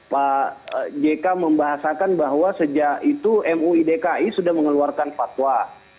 pak jeka membahasakan bahwa sejak itu muidki sudah mengeluarkan fatwa